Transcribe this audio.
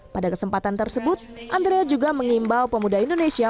pada kesempatan tersebut andrea juga mengimbau pemuda indonesia